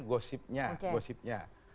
beliau menyampaikan gosipnya